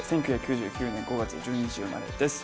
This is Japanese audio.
１９９９年５月１２日生まれです。